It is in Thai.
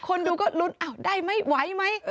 คนดูก็ลุ้นได้ไหมไหวไหม